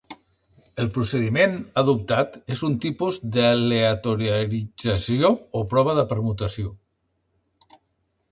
El procediment adoptat és un tipus d'aleatorització o prova de permutació.